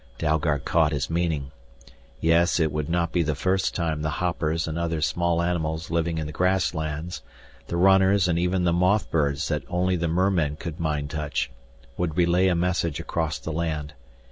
Dalgard caught his meaning. Yes, it would not be the first time the hoppers and other small animals living in the grasslands, the runners and even the moth birds that only the mermen could mind touch, would relay a message across the land.